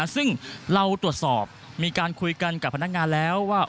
ซึ่งเราตรวจสอบมีการคุยกันกับพนักงานแล้วว่า